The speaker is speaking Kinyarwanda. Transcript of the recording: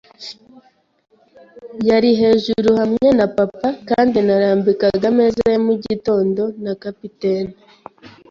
yari hejuru hamwe na papa kandi narambikaga ameza ya mugitondo na capitaine